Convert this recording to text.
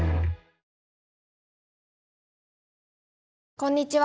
こんにちは。